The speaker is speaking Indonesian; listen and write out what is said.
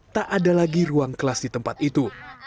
tak ada lagi ruang kelas di tempat itu